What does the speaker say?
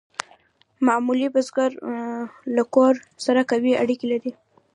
معمولي بزګر له کور سره قوي اړیکې لرلې.